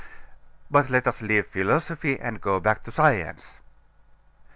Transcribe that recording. But let us leave philosophy and go back to science.